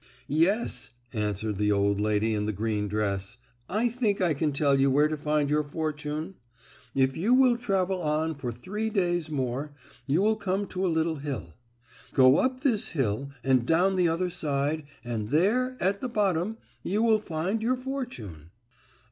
"Yes," answered the old lady in the green dress, "I think I can tell you where to find your fortune. If you will travel on for three days more you will come to a little hill. Go up this hill, and down the other side, and there, at the bottom, you will find your fortune."